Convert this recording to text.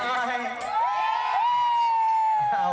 โอเคครับ